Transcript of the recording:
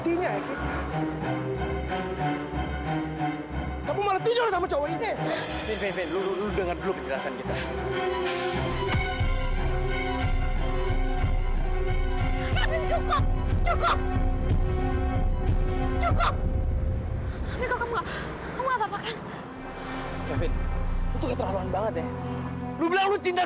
dan kamu marah tapi kita ngelakar questions tersebar di sini